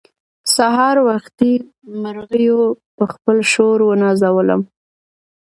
سهار وختي مرغيو په خپل شور ونازولم.